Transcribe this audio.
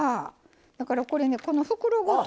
だからこれねこの袋ごと。